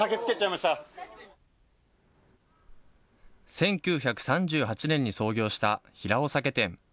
１９３８年に創業した平尾酒店。